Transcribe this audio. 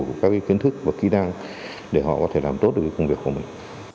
đủ các kiến thức và kỹ năng để họ có thể làm tốt được công việc của mình